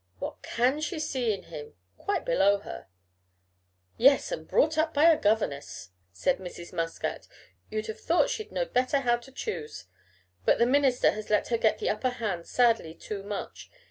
What can she see in him? Quite below her." "Yes, and brought up a governess," said Mrs. Muscat; "you'd have thought she'd knowed better how to choose. But the minister has let her get the upper hand sadly too much.